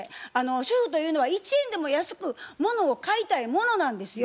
主婦というのは１円でも安くものを買いたいものなんですよ。